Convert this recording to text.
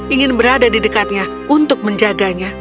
ingin berada di dekatnya untuk menjaganya